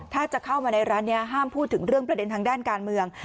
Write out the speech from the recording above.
ถ้าจะเข้ามาในร้านนี้ห้ามพูดถึงเรื่องประเด็นทางด้านการเมือง